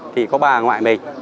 thì có bà ngoại mình